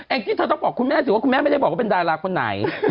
ที่เธอต้องบอกคุณแม่สิว่าคุณแม่ไม่ได้บอกว่าเป็นดาราคนไหน